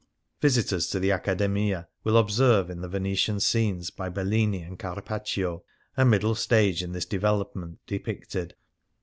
Visitors to the Accademia will observe in the Venetian scenes by Bellini and Carpaccio a middle stage in this development depicted.